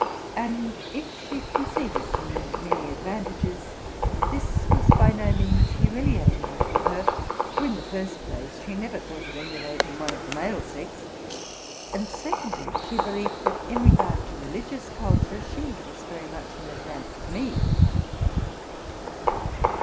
And, if she conceded to me many advantages, this was by no means humiliating to her: for, in the first place, she never thought of emulating one of the male sex; and, secondly, she believed, that, in regard to religious culture, she was very much in advance of me.